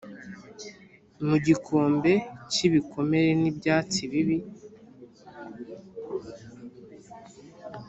mu gikombe cy'ibikomere n'ibyatsi bibi